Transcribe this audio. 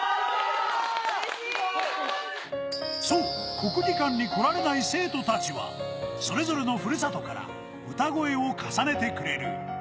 国技館に来られない生徒たちは、それぞれのふるさとから歌声を重ねてくれる。